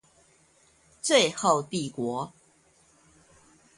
最後帝國